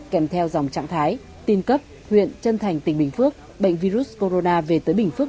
kèm theo dòng trạng thái tin cấp huyện chân thành tỉnh bình phước bệnh virus corona về tới bình phước